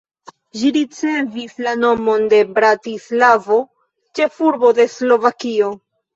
Ĝi ricevis la nomon de Bratislavo, ĉefurbo de Slovakio.